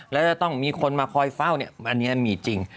แล้วจะต้องมีคนมาคอยเฝ้าเนี่ยอันนี้มีจริง